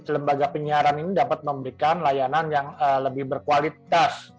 lembaga penyiaran ini dapat memberikan layanan yang lebih berkualitas